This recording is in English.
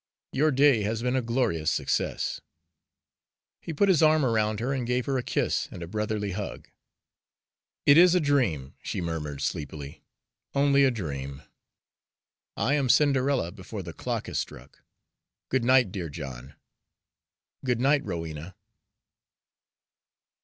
Your day has been a glorious success!" He put his arm around her and gave her a kiss and a brotherly hug. "It is a dream," she murmured sleepily, "only a dream. I am Cinderella before the clock has struck. Good night, dear John." "Good night, Rowena."